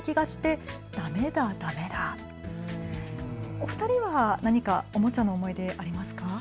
お二人は何かおもちゃの思い出、ありますか。